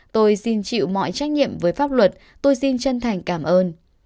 tôi xin chịu mọi trách nhiệm với pháp luật tôi xin chân thành cảm ơn